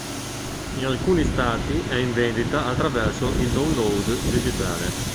In alcuni stati è in vendita attraverso il download digitale.